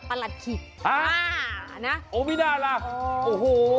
ประหลักศิลป์ฮ้านะโอโหมิดาลาคโอ้โห